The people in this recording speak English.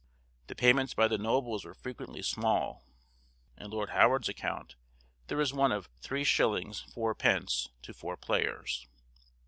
The payments by the nobles were frequently small; in Lord Howard's account there is one of 3_s._ 4_d._ to four players.